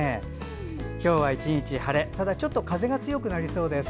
今日は１日晴れただ、ちょっと風が強くなりそうです。